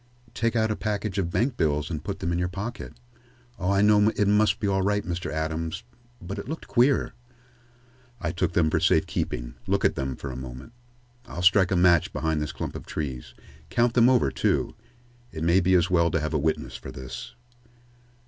"Take out a package of bankbills and put them into your pocket. Oh, I know it must be all right, Mr. Adams. But it looked queer." "I took them for safe keeping. Look at them for a moment. I'll strike a match behind this clump of trees. Count them over, too. It may be as well to have a witness for this."